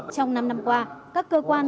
trong năm năm qua các cơ quan